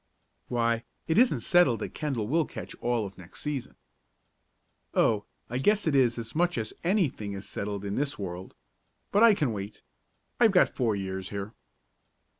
"Why, it isn't settled that Kendall will catch all of next season." "Oh, I guess it is as much as anything is settled in this world. But I can wait. I've got four years here."